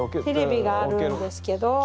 テレビがあるんですけど。